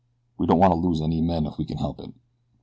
"We don't want to lose any men if we can help it."